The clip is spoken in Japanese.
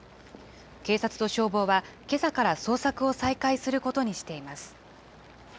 警察と消防は、けさから捜索を再開することにしています。